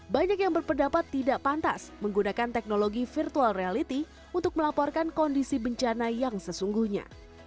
banyak yang berpendapat tidak pantas menggunakan teknologi virtual reality untuk melaporkan kondisi bencana yang sesungguhnya